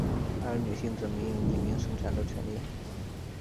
而女性则没有匿名生产的权力。